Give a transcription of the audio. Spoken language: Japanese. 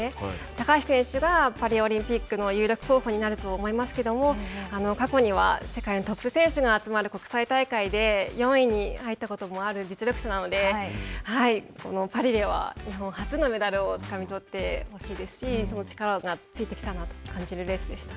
高橋選手がパリオリンピックの有力候補になると思いますけれども、過去には世界のトップ選手が集まる国際大会で４位に入ったこともある実力者なので、パリでは日本初のメダルをつかみ取ってほしいですし、力がついてきたなと感じるレースでした。